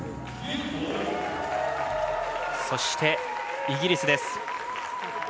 そして、イギリスです。